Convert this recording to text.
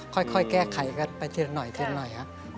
ค่อยแก้ไขกันไปเดี๋ยวหน่อย